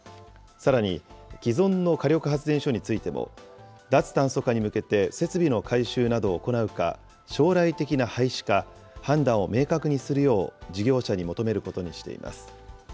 さらに、既存の火力発電所についても、脱炭素化に向けて設備の改修などを行うか、将来的な廃止か、判断を明確にするよう事業者に求めることにしています。